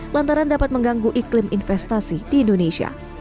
lantaran dapat mengganggu iklim investasi di indonesia